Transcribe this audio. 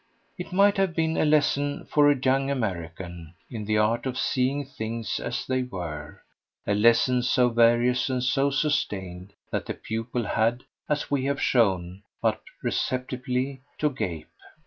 It might have been a lesson, for our young American, in the art of seeing things as they were a lesson so various and so sustained that the pupil had, as we have shown, but receptively to gape.